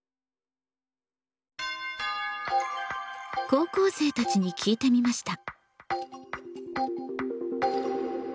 高校生たちに聞いてみました。